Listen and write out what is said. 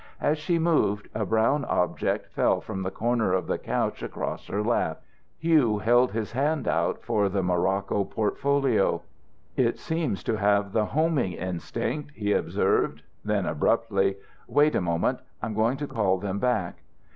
As she moved, a brown object fell from the corner of the couch across her lap. Hugh held his hand out for the morocco portfolio. "It seems to have the homing instinct," he observed; then, abruptly, "Wait a moment; I'm going to call them back."